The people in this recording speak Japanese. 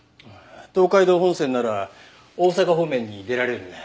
東海道本線なら大阪方面に出られるね。